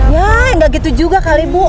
yah gak gitu juga kali bu